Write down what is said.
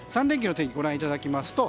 ３連休の天気をご覧いただきます。